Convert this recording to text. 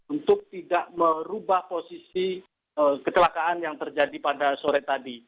untuk tidak merubah posisi kecelakaan yang terjadi pada sore tadi